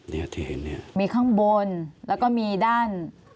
เนี่ยที่เห็นเนี่ยมีข้างบนแล้วก็มีด้าน